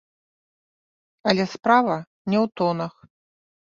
Але справа не ў тонах.